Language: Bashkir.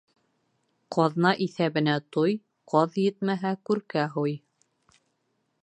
Ҡаҙна иҫәбенә туй, ҡаҙ етмәһә, күркә һуй.